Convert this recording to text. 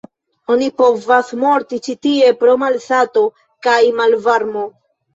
Oni povas morti ĉi tie pro malsato kaj malvarmo.